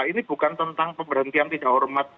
ini bukan tentang pemberhentian tidak hormat